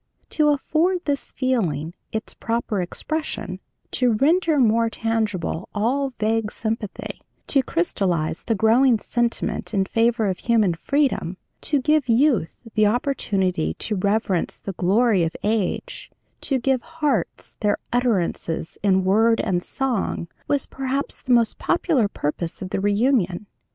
To afford this feeling its proper expression, to render more tangible all vague sympathy, to crystallize the growing sentiment in favor of human freedom, to give youth the opportunity to reverence the glory of age, to give hearts their utterances in word and song was perhaps the most popular purpose of the reunion.